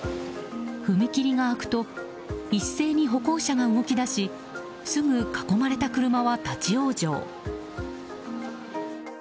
踏切が開くと一斉に歩行者が動き出しすぐ囲まれた車は立ち往生。